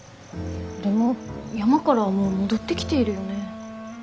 でも山からはもう戻ってきているよね。